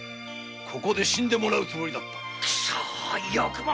ここで死んでもらうつもりでいたのだ。